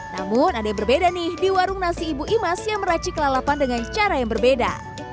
namun ada yang berbeda nih di warung nasi ibu imas yang meracik lalapan dengan cara yang berbeda